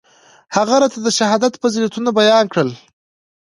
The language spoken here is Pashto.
هغه راته د شهادت فضيلتونه بيان کړل.